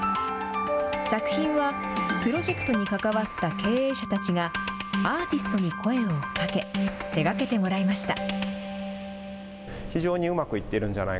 作品はプロジェクトに関わった経営者たちが、アーティストに声をかけ、手がけてもらいました。